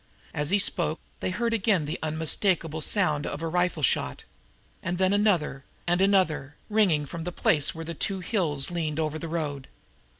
As he spoke they heard again the unmistakable sound of a rifle shot, and then another and another, ringing from the place where the two hills leaned over the road.